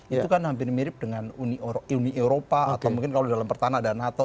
itu kan hampir mirip dengan uni eropa atau mungkin kalau di dalam pertahanan ada nato